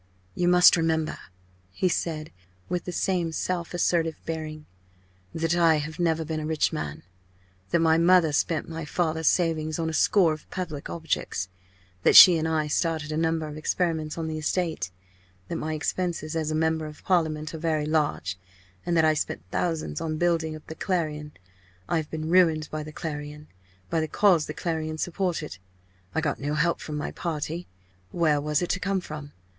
"You must remember," he said, with the same self assertive bearing, "that I have never been a rich man, that my mother spent my father's savings on a score of public objects, that she and I started a number of experiments on the estate, that my expenses as a member of Parliament are very large, and that I spent thousands on building up the Clarion. I have been ruined by the Clarion, by the cause the Clarion supported. I got no help from my party where was it to come from?